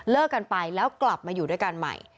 กันไปแล้วกลับมาอยู่ด้วยกันใหม่